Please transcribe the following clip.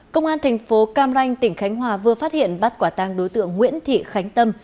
công an thành phố cam ranh tỉnh khánh hòa vừa phát hiện bắt quả tang đối tượng nguyễn thị khánh tâm